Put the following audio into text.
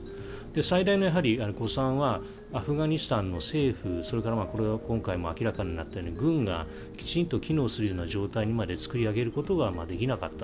最大の誤算はアフガニスタンの政府それから今回明らかになったように軍がきちんと機能するような状況にまで作り上げることができなかった。